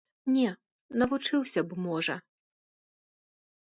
Не, навучыўся б, можа.